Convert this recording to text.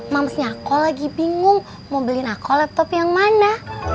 mamsnya aku lagi bingung mau beliin aku laptop yang mana